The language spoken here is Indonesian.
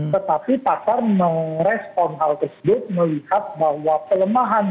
tetapi pasar merespon hal tersebut melihat bahwa pelemahan